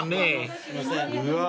すいません。